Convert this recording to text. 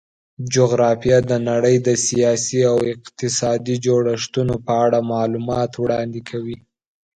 جغرافیه د نړۍ د سیاسي او اقتصادي جوړښتونو په اړه معلومات وړاندې کوي.